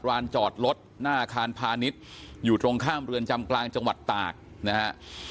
ร้านจอดรถหน้าอาคารพาณิชย์อยู่ตรงข้ามเรือนจำกลางจังหวัดตากนะฮะ